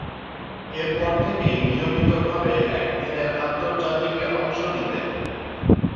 এরপর থেকে নিয়মিতভাবে একদিনের আন্তর্জাতিকে অংশ নিতেন।